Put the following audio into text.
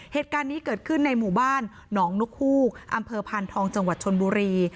เหตุการณ์นี้เกิดขึ้นในหมู่บ้านหนองนกฮูกอำเภอพานทองจังหวัดชนบุรี